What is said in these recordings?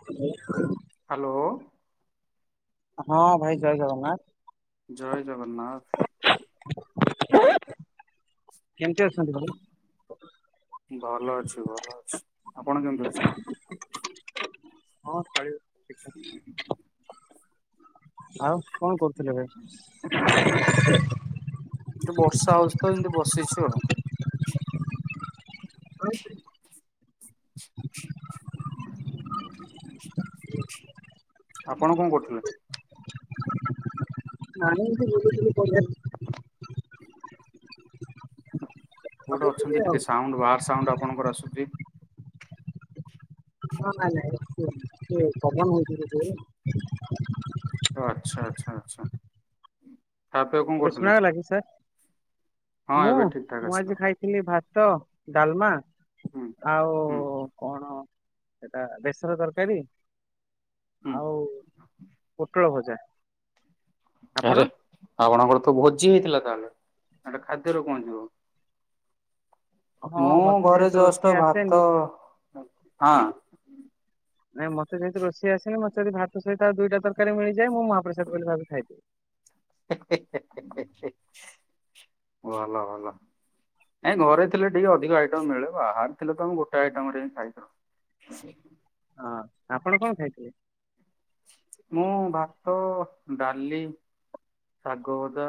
[inaudible] Hello. ହଁ ଭାଇ ଜୟେ ଜଗନ୍ନାଥ। ଜୟେ ଜଗନ୍ନାଥ। କେମିତି ଅଛନ୍ତି? ଭାଇ? ଭଲ ଅଛି ଭଲ ଅଛି। ଆପଣ କେମିତି ଅଛି? ହଁ ଫଳିବ ଦେଖିଆ। ଆଉ କଣ କରୁଥିଲେ ଭାଇ? ବର୍ଷା ହୋଉଚି ତ ଏମିତି ବସିଚି ଆଉ। ଶଏତିରିଶି। [inaudible] ଆପଣ କଣ କରୁଥୁଲେ? ନାଆଁମଏମିତି ବୁଲିକି ନି ପଳିଆଇନୁ। କୋଉଠି ଭାବୁଥିଲି ଅଛନ୍ତି ଆଉ ଟିକେ ସାଉଣ୍ଡ ବାହାର ସାଉଣ୍ଡ ଆପଣଙ୍କର ଆସୁଚି? ହଁ ନାଇଁ ନାଇଁ କୁହନ୍ତୁ ଇଏ ପବନ ହୋଉଚି ତ ଯୋରେ। ଆଚ୍ଛା ଆଚ୍ଛା ଆଚ୍ଛା। ଖା ପିଆ କଣ ଏବେ କରୁଥିଲେ ଶୁଣାଗଲକି ସାରେ? ହଁ ମୁଁ ଏବେ ଠିକ ଠାକ ମୁଁ ଆସିଲା ଆଜି ଖାଇ ଥିଲି ଭାତ ଡାଲମା ହୁଁ। ଆଉ ହୁଁ କଣ ସେଟା ବେସର ତରକାରୀ ହୁଁ ଆଉ ପୋଟଳ ଭଜା। ଆପଣ? ଆରେ ଆପଣଙ୍କର ତ ଭୋଜି ହେଇଥିଲା ତାହେଲେ ହେଟା ଖାଦ୍ୟରେ କଣ ଯିବ। ହଁ ମୁଁ ମତେ ଘରେ ଯେହେତୁ ଯଷ୍ଟ ରୋଷେଇ ଆସେନି ଭାତ ହଁ। ନାଇଁ ମତେ ଯେହେତୁ ରୋସେଇ ଆସେନି ମତେ ଯଦି ଭାତ ସହିତ ଆଉ ଦୁଇଟା ତରକାର ମିଳିଯାଏ ମୁଁ ମହାପ୍ରସାଦ ବୋଲି ଭାବିକି ଖାଇଦିଏ। ହେ ହେ ହେ ଭଲ ଭଲ। ଏ ଘରେ ଥିଲେ ଟିକେ ଅଧିକ ଆଇଟମ୍ ମିଳେ ବାହରେ ଥିଲେ ତ ମୁଁ ଗୋଟେ ଆଇଟମ୍ ରେ ଖାଇ ଦିଏ। [inaudible] ହଁ ଆପଣ କଣ ଖାଇଥିଲେ? ମୁଁ ଭାତ ଡାଲି। ଶାଗ ଭଜା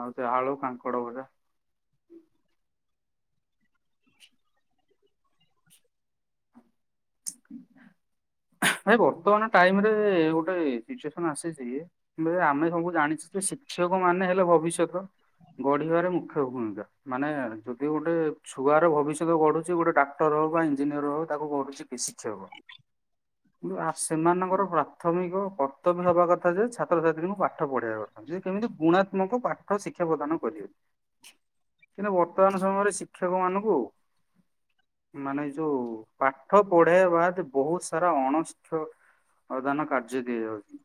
ଆଉ ସେ ଆଳୁ କାଙ୍କଡ ଭଜା। ଭାଇ ବର୍ତ୍ତମାନ ଟାଇମି ରେ ଗୋଟେ ସିଚୁଏସନ୍ ଆସିଚି। ଆମେ ସବୁ ଜାଣିଛୁ ଯେ ଶିକ୍ଷକ ମାନେ ହେଲେ ଭବିଷ୍ୟତ ଗଢିବାରେ ମୁଖ୍ୟ ଭୂମିକା। ମାନେ ଯଦି ଗୋଟେ ଛୁଆର ଭବିଷ୍ୟତ ଗଢୁଛି ଗୋଟେ ଡାକ୍ତର ହଉ ବା ଇଞ୍ଜିନିୟର ହଉ ତାକୁ ଗଢୁଛି। ଶିକ୍ଷକ। କିନ୍ତୁ ଆ ସେମାନଙ୍କର ପ୍ରାଥମିକ କର୍ତ୍ତବ୍ୟ ହବା କଥା ଯେ ଛାତ୍ରଛାତ୍ରୀଙ୍କୁ ପାଠ ପଢିବା କଥା। କେମିତି ଗୁଣାତ୍ମକ ପାଠ ଶିକ୍ଷା ପ୍ରଦାନ କରିବେ। କିନ୍ତୁ ବର୍ତ୍ତମାନ ସମୟରେ ଶିକ୍ଷକ ମାନଙ୍କୁ ମାନେ ଯୋଉ ପାଠ ପଢେଇବା ବାଦେ ବହୁତ ସାରା ଅଣ ଶିକ୍ଷକ ଅଦାନ କାର୍ଯ୍ୟ ଦିଆଯାଉଚି।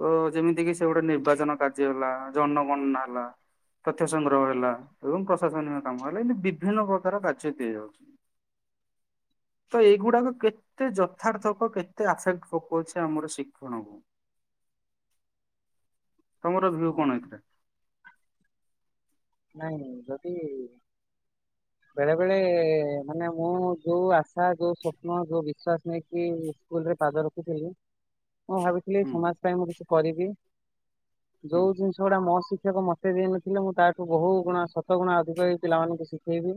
ତ ଯେମିତି କିି ସେ ଗୋଟେ ନିର୍ବାଚନ କାର୍ଯ୍ୟ ହେଲା ଜନ ଗଣନା ହେଲା। ତଥ୍ୟ ସଂଗ୍ରହ ହେଲା ଏବଂ ପ୍ରଶାସନିକ କାମ ହେଲା ଏମିତି ବିଭିନ୍ନ ପ୍ରକାର କାର୍ଯ୍ୟ ତିଆଯାଉଚି। ତ ଏଗୁଡ଼ାକ କେତେ ଯଥାର୍ଥ? ଅ କେତେ ଆଫେକ୍ଟ ପକଉଛି ଆମର ଶିକ୍ଷଣକୁ? ତମର ଭିଉ ହଁ କଣ ଏଥିରେ? ନାଇଁ ନାଇଁ ଯଦି ବେଳେ ବେଳେ ମାନେ ମୁଁ ଯୋଉ ଆଶା ଯୋଉ ସ୍ୱପ୍ନ ଯୋଉ ବିଶ୍ଵାସ ନେଇକି ସ୍କୁଲ୍ ରେ ପାଦ ରଖୁଥିଲି ମୁଁ ଭାବିଥିଲି ହୁଁ ସମାଜ ପାଇଁ ମୁଁ କିଛି କରିବି ହୁଁ ଯୋଉ ଜିନିଷ ସେଗୁଡା ମୋ ଶିକ୍ଷକ ମତେ ଦେଇ ନଥିଲେ ମୁଁ ତା ବହୁ ଗୁଣା ସତ୍ତ ଗୁଣା ଅଧିକ ଏଇ ପିଲାମାନଙ୍କୁ ଶିଖେଇବି।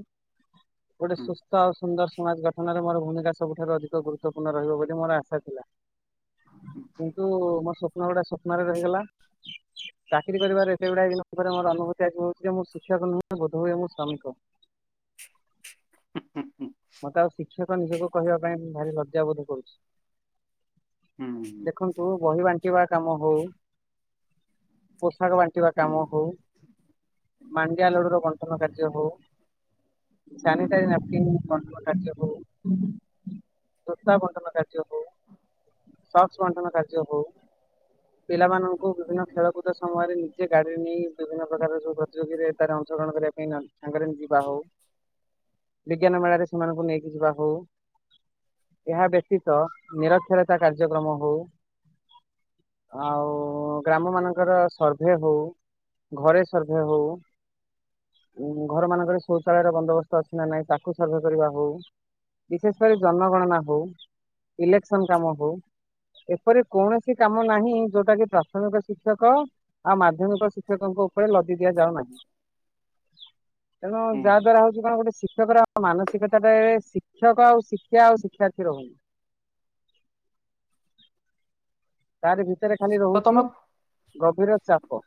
ଗୋଟେ ହୁଁ ସୁସ୍ଥ ଆଉ ସୁନ୍ଦର ସମାଜ ଗଠନରେ ମୋର ଭୂମିକା ସବୁଠାରୁ ଅଧିକ ଗୁରୁତ୍ୱପୂର୍ଣ୍ଣ ରହିବ ବୋଲି ମୋର ଆଶା ଥିଲା। କିନ୍ତୁ ମୋର ସ୍ୱପ୍ନ ଗୁଡା ସ୍ୱପ୍ନରେ ରହିଗଲା। ଚାକିରି କରିବାରେ ଏତେ ଗୁଡ଼ାଏ ଜିନିଷରେ ମୋର ଅନୁଭୂ ମତେ ଆଜି ଲାଗୁଛି ଯେ ମୁଁ ଶିକ୍ଷକ ନୁହଁ ବୋଧ ହୁଏ ମୁଁ ଶ୍ରମିକ। ହୁଁ ହୁଁ ହୁଁ। ମତେ ଆଉ ଶିକ୍ଷକ ନିଜକୁ କହିବା ପାଇଁ ମୁଁ ଭାରି ଲଜ୍ଜା ବୋଧ କରୁଛି। ହୁଁ ହୁଁ ଦେଖନ ତୁ ବହି ବାଣ୍ଟିବା କାମ ହଉ ପୋଷାକ ବା ଣ୍ଟିବା ହୁଁ କାମ ହଉ ମାଣ୍ଡିଆ ଲଡୁର ବଣ୍ଟନ କାର୍ଯ୍ୟ ହଉ ହୁଁ ସାନିଟା [inaudible] ବଣ୍ଟନ କାର୍ଯ୍ୟ ହଉ ଜୋତା ବଣ୍ଟନ କାର୍ଯ୍ୟ ହଉ ସକ୍ସ୍ ବଣ୍ଟନ କଯ୍ୟ ହଉ ପିଲାମାନଙ୍କୁ ବିଭିନ୍ନ ଖେଳ କୁଦ ସମୟରେ ନିଜେ ଗାଡିରେ ନେଇ କି ବିଭିନ୍ନ ପ୍ରକାରର ସବୁ ପ୍ରତିଯୋଗୀରେ ତାରେ ଅଂଶଗ୍ରହଣ କରିବା ପାଇଁ ସାଙ୍ଗରେ ଯିବା ହଉ ବିଜ୍ଞାନ ମେଳାରେ ସେମାନଙ୍କୁ ନେଇକି ଯିବା ହଉ ଏହା ବ୍ୟତୀତ ନିରକ୍ଷରତା କାର୍ଯ୍ୟକ୍ରମ ହଉ ଆଉ ଗ୍ରାମ ମାନଙ୍କର ସର୍ଭେ ହଉ ଘରେ ସର୍ଭେ ହଉ ଉଁ ଘର ମାନଙ୍କରେ ଶୌଚାଳୟର ବନ୍ଦୋବସ୍ତ ଅଛି ନା ନାଇଁ ତାକୁ ସର୍ଭେ କରିବା ହଉ ବିଶେଷ କରି ଜନଗଣନା ହଉ ଇଲେକ୍ସନ କାମ ହଉ ଏପରି କୌଣସି କାମ ନାହିଁ ଯୋଉଟା କି ପ୍ରାଥମିକ ଶିକ୍ଷକ ଆଉ ମାଧ୍ୟମିକ ଶିକ୍ଷକଙ୍କ ଉପରେ ଲଦି ଦିଆଯାଉ ନାହିଁ ତେଣୁ ଯାହା ହୁଁ ଦ୍ଵାରା ହଉଛି କଣ ଗୋଟେ ଶି କ୍ଷକର ମାନସିକତାରେ ଶିକ୍ଷକ ଆଉ ଶିକ୍ଷା ଆଉ ଶିକ୍ଷାର୍ଥୀ ରହୁନି। ତାରି ଭିତରେ ଖାଲି ତ ରହୁଛି ତମେ ଗଭୀର ଚାପ।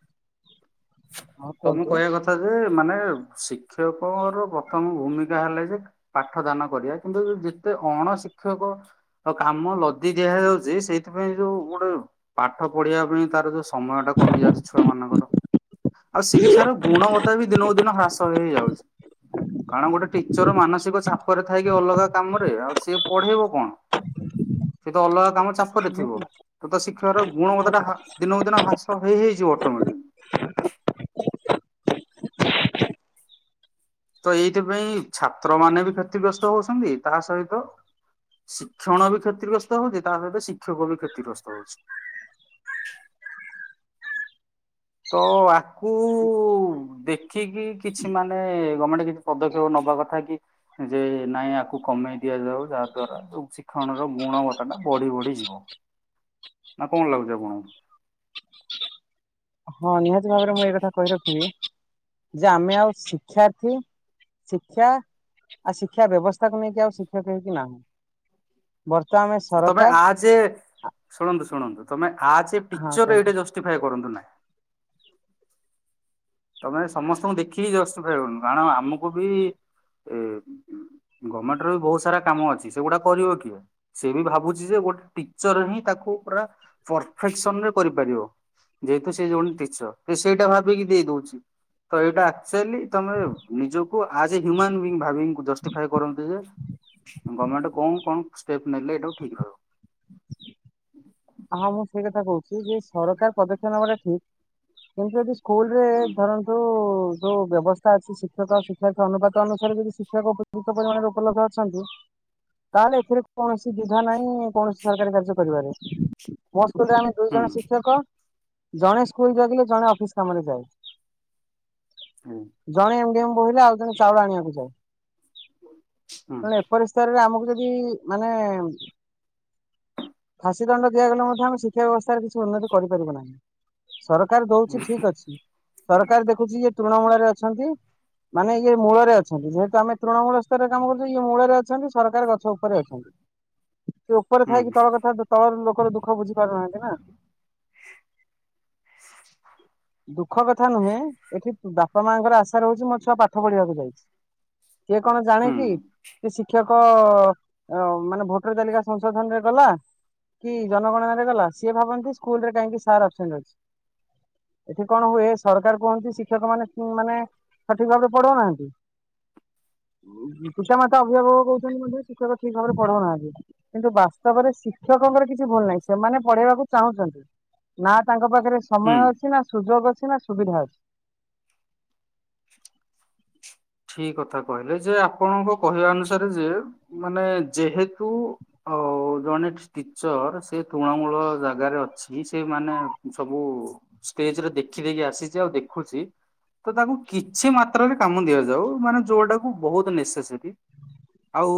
ହଁ ତମେ କୁହନ୍ତୁ କହିବା କଥା ଯେ ମାନେ ଶିକ୍ଷକର ପ୍ରଥମ ଭୂମିକା ହେଲା ଯେ ପାଠ ଦାନ କରିବା କିନ୍ତୁ ଯେତେ ଅଣ ଶିକ୍ଷକ ତ କାମ ଲଦି ଦିଆ ଯାଉଛି ସେଇଥିପାଇଁ ଯୋଉ ଗୋଟେ ପାଠ ପଢିବା ପାଇଁ ତାର ଯୋଉ ସ ସମୟ ଟା କମି ଯାଉଛି ଛୁଆ ମାନଙ୍କର। ଆଉ ଶିକ୍ଷାର ଗୁଣବତ୍ତା ବି ଦିନକୁ ଦିନ ହ୍ରାସ ହେଇଯାଉଛି। କାରଣ ଗୋଟେ ଟିଚର ମାନସିକ ଚାପରେ ଥାଇ କିି ଅଲଗା କାମରେ ଆଉ ସିଏ ପଢେଇବ କଣ? ହୁଁ। ସେ ତ ଅଲଗା କାମରେ ଚା କରୁଥିବ ତଥା ଶିକ୍ଷାର ଗୁଣବତ୍ତା ଟା ହା ଦିନକୁ ଦିନ ହ୍ରାସ ହେଇ ହେଇ ଯିବ ଅଟୋମେଟିକ୍। ତ ଏଇଥିପାଇଁ ଛାତ୍ର ମାନେ ବି କ୍ଷତିଗ୍ରସ୍ତ ହଉଛନ୍ତି ତାହା ସହିତ ଶିକ୍ଷଣ ବି କ୍ଷତିଗ୍ରସ୍ତ ହଉଛି ତା ସହିତ ଶିକ୍ଷକ ବି କ୍ଷତିଗ୍ରସ୍ତ ହଉଛି। ତ ଆକୁ ଦେଖିକି କିଛି ମାନେ ଗଭର୍ମେଣ୍ଟ କିଛି ପଦକ୍ଷେପ ନବା କଥା କି ଯେ ନାଇଁ ଆକୁ କମେଇ ଦିଆଯାଉ ଯାହା ଦ୍ଵାରା ସବୁ କିଛି ଶିକ୍ଷଣର ଗୁଣବତ୍ତା ଟା ବଢି ବଢି ଯିବ ନାଁ କଣ ଲାଗୁଛି ଆପଣଙ୍କୁ? ହଁ ନିହାତି ଭାବରେ ମୁଁ ଏ କଥା କହି ରଖିବି ଯେ ଆମେ ଆଉ ଶିକ୍ଷାର୍ଥୀ ଶିକ୍ଷା ଆ ଶିକ୍ଷା ବ୍ୟବସ୍ଥାକୁ ନେଇକି ଆଉ ଶିକ୍ଷକ ହେଇକି ନାହୁଁ ବର୍ତ୍ ଆମେଶ୍ ତମେ ଆ ଯେ ଶୁଣନ୍ତୁ ଶୁଣନ୍ତୁ ତମେ ଆ ଯେ ହଁ ପିକଚରରେ କୁହନ୍ତୁ ଏଇଟା ଜଷ୍ଟିଫାଏ କରନ୍ତୁ ନାଁ ତମେ ସମସ୍ତଙ୍କୁ ଦେଖିକି ଜଷ୍ଟିଫାଇ ହନୁ କାରଣ ଆମକୁ ବି ଏ ଗମେଣ୍ଟର ବି ବହୁତ ସାରା କାମ ଅଛି ସେଗୁଡା କରିବ କିଏ ସେ ବି ଭାବୁଚି ଯେ ଗୋଟେ ଟିଚର ହିଁ ତାକୁ ପୁରା ପରଫେକ୍ସନରେ କରିପାରିବ ଯେହେତୁ ସେ ଜଣେ ଟିଚର ସେ ସେଇଟା ଭାବିକି ଦେଇ ଦଉଚି ତ ଏଇଟା - [unintelligible] ତମେ ନିଜକୁ ଆଜ ଏ ହ୍ୟୁମାନ ବିଙ୍ଗ ଭାବିଂ ଜଷ୍ଟି ଫାଏ କରନ୍ତୁ ଯେ - ଗମେଣ୍ଟ କଣ କଣ ଷ୍ଟେପ ନେଲେ ଏଟାକୁୁ ଠିକ ରହିବ ହଁ ମୁଁ ସେଇ କଥା କହୁଛି ଯେ ସରକାର ପଦକ୍ଷେ ନେବା ଟା ଠିକ- କିନ୍ତୁ ଯଦି ସ୍କୁଲରେ ହୁଁ ଧରନ୍ତୁ ଯୋଉ ବ୍ୟବସ୍ଥା ଅଛି ଶିକ୍ଷକ ଆଉ ଶିକ୍ଷାର୍ଥି ଅନୁପାତ ଅନୁସାରେ ଯଦି ଶିଖ [unintelligible] ପରିମାଣରେ ଉପଲବଧ ଅଛନ୍ତି- ତାହେଲେ ଏଥିରେ କୌଣସି ଦ୍ୱିଧା ନାହିଁ କୌଣସି ସରକାରୀ କାର୍ଯ୍ୟ କରିବାରେ ମୋ ସ୍କୁଲରେ ଆମେ ଦୁଇ ହୁଁ ଜଣ ଶିକ୍ଷକ, ଜଣେ ସ୍କୁଲ ଜଗିଲେ ଜଣେ ଅଫିସ କାମରେ ଯାଏ ହୁଁ ଜଣେ ଏମ ଡି ଏମ୍ ବହିଲେ ଆଉ ଜଣେ ଚାଉଳ ଆଣିବାକୁ ଯାଏ ହୁଁ ତଣୁ ଏପରି ସ୍ତରରେ ଆମୁକୁ ଯଦି ମାନେ ଫାଶୀ ଦଣ୍ଡ ଦିଆଗଲେ ମଧ୍ୟ ଆମେ ଶିକ୍ଷା ବ୍ୟବସ୍ଥାରେ କିଛି ଉନ୍ନତି କରିପାରିବୁ ନାହିଁ ସରକାର ଦଉଚି ଠିକ ଅଛି, ସରକାର ଦେଖୁଚି ଇଏ ତୃଣମୂଳରେ ଅଛନ୍ତି ମାନେ ଇଏ ମୂଳରେ ଅଛନ୍ତି ଯେହେତୁ ଆମେ ତୃଣମୂଳ ସ୍ତରରେ କାମ କରୁଚୁ ଇଏ ମୂଳରେ ଅଛନ୍ତି ସରକାର ଗଛ ଉପରେ ଅଛନ୍ତି ସେ ଉପରେ ହୁଁ ଥାଇକି ତଳ କଥା ତଳର ଲୋକର ଦୁଃଖ ବୁଝି ପାରୁନାହାନ୍ତି ନା ଦୁଃଖ କଥା ନୁହେଁ ଏଠି- ବାପା ମାଙ୍କର ଆଶା ରହୁଚି ମୋ ଛୁଆ ପାଠ ପଢିବାକୁ ଯାଇଚି, କିଏ କଣ ଜାଣେ ହୁଁ କି - କି ଶିକ୍ଷକ ମାନେ ଭୋଟର ତାଲିକା ସଂଶୋଧନରେ ଗଲା- କି ଜନଗଣାରେ ଗଲା ସିଏ ଭାବନ୍ତି ସ୍କୁଲରେ କାହିଁକି ସାର୍ ଆବସେଣ୍ଟ ଅଚି ଏଠି କଣ ହୁଏ ସରକାର କୁହନ୍ତି ଶିକ୍ଷକ ମାନେ ମାନେ ସଠିକ ଭାବରେ ପଢଉ ନାହାନ୍ତି ପିତା ମାତା ଅଭିଭାବକ କହୁଚନ୍ତି ମଧ୍ୟ ଶିକ୍ଷକ ଠିକ ଭାବରେ ପଢଉ ନାହାନ୍ତି କିନ୍ତୁ ବାସ୍ତବରେ ଶିକ୍ଷକଙ୍କର କିଛି ଭୁଲ ନାହିଁ ସେମାନେ ପଢେଇବାକୁ ଚାହୁଁଚନ୍ତି ନା ତାଙ୍କ ପାଖରେ ସମୟ ହୁଁ। ଅଛି ନା ସୁଯୋଗ ଅଛି ନା ସୁବିଧା ଅଛି- ଠିକ କଥା କହିଲେ ଯେ ଆପଣଙ୍କ କହିବା ଅନୁସାରେ ଯେ ମାନେ ଯେହେତୁ- ଓ ଜଣେ ଟିଚର ସେ ତୃଣମୂଳ ଜାଗାରେ ଅଚ - ଛି ସେ ମାନେ ସବୁ ଷ୍ଟେଜରେ ଦେଖିଦେଖି ଆସିଚି ଆଉ ଦେଖୁଚି ତ ତାକୁ କିଛି ମାତ୍ରରେ କାମ ଦିଆଯାଉ [unintelligible] ମାନେ ଯୋଉଟାକୁ ବହୁତ ନେସେସରି ଆଉ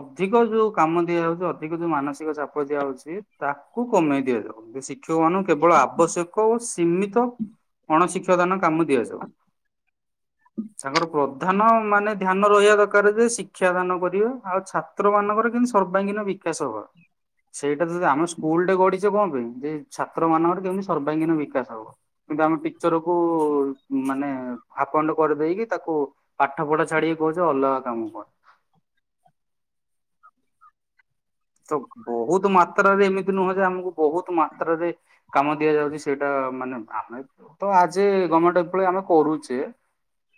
ଅଧିକ ଯୋଉ କାମ ଦିଆଯାଉଚି ଅଧିକ ଯୋଉ ମାନସିକ ଚାପ ଦିଆଯାଉଚି ତାକୁ କମେଇ ଦିଆଯାଉ ଶିକ୍ଷକ ମାନଙ୍କୁ କେବଳ ଆବଶ୍ୟକ ଓ ସୀମିତ ଅଣଶିକ୍ଷା ଦାନ କାମ ଦିଆଯାଉ ତାଙ୍କର - ପ୍ରଧାନ ମାନେ ଧ୍ୟାନ ରହିବା ଦରକାର ଯେ ଶିକ୍ଷାଦାନ କରିବ ଆଉ ଛାତ୍ର ମାନଙ୍କର କିନ୍ତି ସର୍ବାଙ୍ଗୀନ ବିକ କାସ ହବା - ସେଇଟା ତ ଯଦି ଆମ ସ୍କୁଲଟେ ଗଢିଚେ କଣ ପାଇଁ ଯେ ଛାତ୍ର ମାନଙ୍କର କେମିତି ସର୍ବାଙ୍ଗୀନ ବିକାଶ ହବ କିନ୍ତୁ ଆମେ ଟିଚରକୁୁ ମାନେ ଆପଣ୍ଡ କରିଦେଇକି ତାକୁ ପାଠ ପଢା ଛାଡିକି କହୁଚ ଅଲଗା କାମ କର ତ ବହୁତ ମାତ୍ରାରେ ଏମିତି ନୁହଁ ଯେ ଆମକୁ ବହୁତ ମାତ୍ରାରେ - କାମ ଦିଆଯାଉଚି ସେଇଟା ମାନେ ଆମେ ତ ଆଜି ଗମେଣ୍ଟ କୂଳେ ଆମେ କରୁଚେ -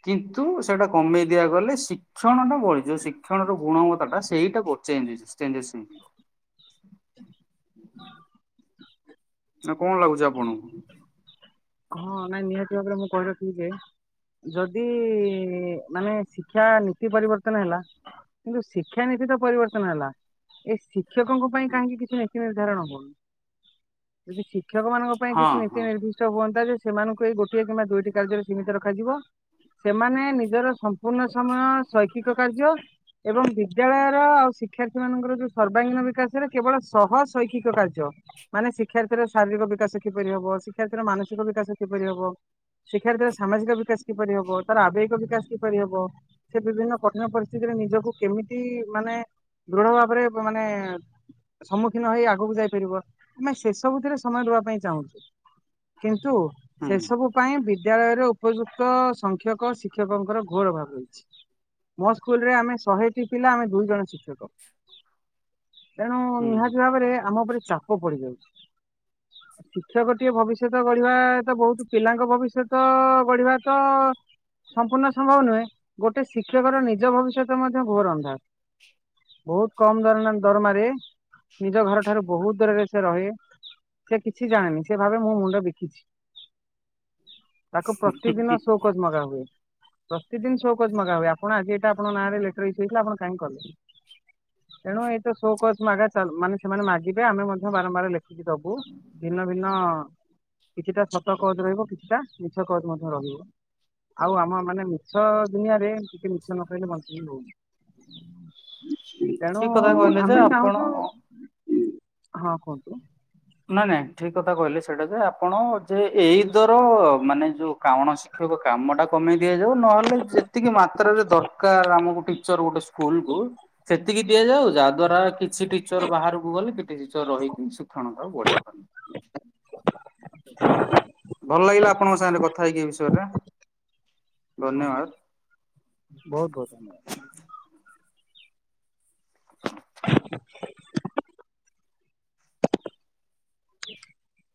କିନ୍ତୁ ସେଇଟା କମେଇ ଦିଆ ଗଲେ ସି - ସେ ମାନଙ୍କୁ ବଳିଯିବ ଶିକ୍ଷଣ ଟା ଗୁଣ ମହାନତ ଟା ସେଇଟା ଚେଞ୍ଜ ଚେଞ୍ଜସ। ନା କଣ ଲାଗୁଛି ଆପଣଙ୍କୁ। ହଁ ନାଇଁ ନିହାତି ଭାବରେ ମୁଁ କହି ରଖିବି ଯେ। ଯଦି ମାନେ ଶିକ୍ଷା ନୀତି ପରିବର୍ତ୍ତନ ହେଲା। କିନ୍ତୁ ଶିକ୍ଷାନୀତି ତ ପରିବର୍ତ୍ତନ ହେଲା ଏ ଶି ଶିକ୍ଷକଙ୍କ ପାଇଁ କାହିଁକି କିଛି ନୀତି ନିର୍ଦ୍ଧାରଣ କଣ ଯଦି ଶିକ୍ଷକ ମାନଙ୍କ ପାଇଁ ହଁ କିଛି ହଁ ନୀତି ନିଦ୍ଧିଷ୍ଟ ହୁଅନ୍ତା ଯେ ସେମାନଙ୍କୁ ଏଇ ଗୋଟିଏ କିମ୍ବା ଦୁଇଟି କାର୍ଯ୍ୟରେ ସୀମିତ ରଖାଯିବ। ସେମାନେ ନିଜର ସମ୍ପୂର୍ଣ୍ଣ ସମୟ ଶୈକ୍ଷିକ କାର୍ଯ୍ୟ ଏବଂ ବି ବିଦ୍ୟାଳୟର ଆଉ ଶିକ୍ଷାର୍ଥୀ ମାନଙ୍କର ଯୋଉ ସର୍ବାଙ୍ଗୀନ ବିକାଶରେ କେବଳ ସହ ଶୈକ୍ଷିକ କାର୍ଯ୍ୟ। ମାନେ ଶିକ୍ଷାର୍ଥୀର ଶାରୀରିକ ବିକାଶ କିପରି ହବ। ଶିକ୍ଷାର୍ଥୀର ମାନସିକ ବିକାଶ କିପରି ହବ। ଶିକ୍ଷାର୍ଥୀର ସାମାଜିକ ବିକାଶ କିପରି ହବ ତାର ଆବେଗିକ ବିକାଶ କିପରି ହବ। ସେ ବିଭିନ୍ନ କଠିନ ପରିସ୍ଥିତିରେ ନିଜକୁ କେମିତି ମାନେ ଦୃଢ ଭାବରେ ମାନେ ସମ୍ମୁଖୀନ ହେଇ ଆଗକୁ ଯାଇପାରିବ ଆମେ ସେ ସବୁଥିରେ ସମୟ ଦବାକୁ ଚାହୁଁଚୁ। କିନ୍ତୁ ହୁଁ ସେ ସବୁ। ପାଇଁ ବିଦ୍ୟାଳୟରେ ଉପଯୁକ୍ତ ସଂଖ୍ୟକ ଶିକ୍ଷକଙ୍କର ଘୋର ଅଭାବ ରହିଚି। ମୋ ସ୍କୁଲରେ ଆମେ ଶହେ ଶହେଟି ପିଲା ଆମେ ଦୁଇ ଜଣ ଶିକ୍ଷକ ତେଣୁ ହୁଁ ନିହାତି ଭାବରେ ଆମ ଉପରେ ଚାପ। ଚାପ ପଡି ଯାଉଛି ଶିକ୍ଷକଟିଏ ଭବିଷ୍ୟତ। ଭବିଷ୍ୟତ ଗଢିବା ତ ବହୁତ ପିଲାଙ୍କ ଭବିଷ୍ୟତ ଗଢିବା ତ ସମ୍ପୂର୍ଣ୍ଣ ସମ୍ଭବ ନୁହେଁ ଗୋଟେ ଶିକ୍ଷକର ନିଜ ଭବିଷ୍ୟତ ମଧ୍ୟ ଘୋର ଅନ୍ଧାର। ବହୁତ କମ ଦର ନା ଦରମାରେ। ନିଜ ଘର ଠାରୁ ବହୁତ ଦୂରରେ ସେ ରହେ ସେ କିଛି ଜାଣେନି ସେ ଭାବେ ମୁଁ ତ ବିକିଚି ତାକୁ ପ୍ରତିଦିନ ହୁଁ ସଓକଜ ମଗା ହୁଏ। ପ୍ରତିଦିନ ସଓକଜ ମଗା ହୁଏ ଆପଣ ଆଜି ଏଇଟା ଆପଣଙ୍କ ନାଁରେ ଲେଟର ଈଶୁ ହୋଇଥିଲା ଆପଣ କାହିଁକି କଲେନି। ତେଣୁ ଏଇ ତ ସୋକ ମାଗାଚାଲ ମାନେ ସେମାନେ ମାଗିବେ ଆମେ ମଧ୍ୟ ବାରମ୍ବାର ଲେଖେ। ଲେଖିକି ଦେବୁ ଭିନ୍ନ ଭିନ୍ନ। କିଛିଟା ସତ କୋଜ ରହିବ କିଛିଟା ମିଛ କୋଜ ମଧ୍ୟ ରହିବ ଆଉ ଆମ ମାନେ। ମିଛ ଦୁନିଆରେ ଟିକେ ମିଛ ନ କହିଲେ ବି ବଞ୍ଚିବି ହଉନି। ତେଣୁ ଠିକ କଥା କହିଲେ ଯେ ଆମେ ଆପଣ ଚାହୁଁଛୁ ହଁ କୁହନ୍ତୁ। ନାଇଁ ନାଇଁ ଠିକ କଥା କହିଲେ ସେଇଟା ଯେ ଆପଣ ଯେ ଏଇଦର ମାନେ ଯୋଉ କାଉଣସି। ଶିକ୍ଷକ କାମଟା କମେଇ ଦିଆଯାଉ ନହେଲେ ଯେତିକି ମାତ୍ରାରେ ଦରକାର ଆମକୁ ଟିଚର ଗୋଟେ ସ୍କୁଲକୁୁ। ସେତିକି ଦିଆଯାଉ ଯାହା ଦ୍ୱାରା କିଛି ଟିଚର ବାହାରକୁ ଗଲେ କିଛି ଟିଚର ରହିକି ଶିକ୍ଷଣ। ଆଉ ବଢ଼େଇ ପାରିଲିନି। ଭଲ ଲାଗିଲା ଆପଣଙ୍କ ସାଙ୍ଗରେ କଥା ହେଇକି ଏ ବିଷୟ ରେ। ଧନ୍ୟବାଦ। ବହୁତ ବହୁତ ଧନ୍ୟବାଦ। [inaudible] [inaudible]